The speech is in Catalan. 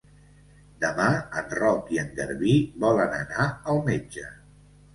Demà en Roc i en Garbí volen anar al metge.